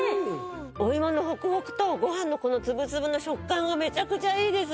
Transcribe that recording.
お芋のホクホクとご飯のこのツブツブの食感がめちゃくちゃいいです！